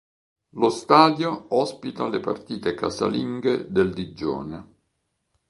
Lo stadio ospita le partite casalinghe del Digione.